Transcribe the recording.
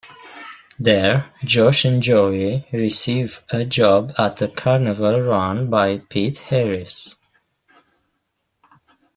There, Josh and Joey receive a job at a carnival run by Pete Harris.